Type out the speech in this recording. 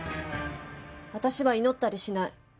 私は祈ったりしない。